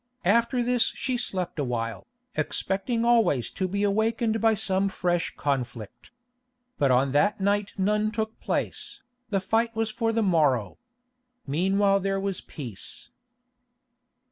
After this she slept a while, expecting always to be awakened by some fresh conflict. But on that night none took place, the fight was for the morrow. Meanwhile there was peace.